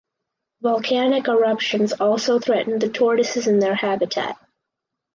Volcanic eruptions also threaten the tortoises and their habitat.